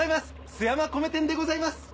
須山米店でございます。